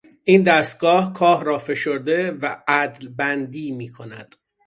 این دستگاه کاه را فشرده و عدلبندی میکند.